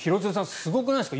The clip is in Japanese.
すごくないですか？